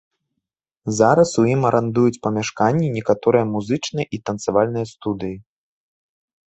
Зараз у ім арандуюць памяшканні некаторыя музычныя і танцавальныя студыі.